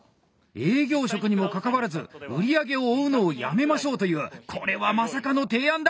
営業職にもかかわらず「売り上げを追うのをやめましょう」というこれはまさかの提案だ。